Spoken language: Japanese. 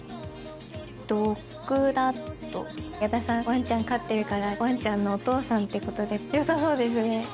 ワンちゃん飼ってるからワンちゃんのお父さんってことでよさそうですね。